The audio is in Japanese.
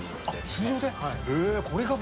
通常で？